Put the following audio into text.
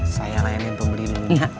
saya layanin pembeli ini